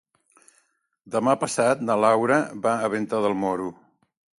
Demà passat na Laura va a Venta del Moro.